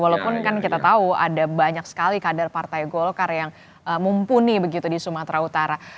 walaupun kan kita tahu ada banyak sekali kader partai golkar yang mumpuni begitu di sumatera utara